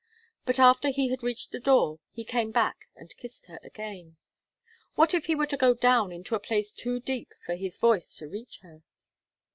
But after he had reached the door, he came back and kissed her again. What if he were to go down into a place too deep for his voice to reach her?